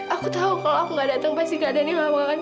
aku tahu kalau aku gak datang pasti keadaannya mengamalkan kayak gini